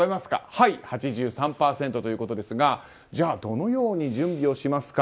はい、８３％ということですがじゃあどのように準備をしますか。